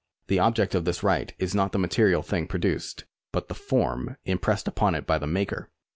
The object of this right is not the material thing produced, but the form impressed upon it by the maker.